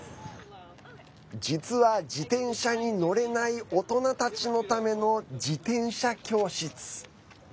実は、自転車に乗れない大人たちのための自転車教室。